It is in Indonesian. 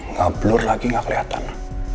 nggak blur lagi nggak kelihatan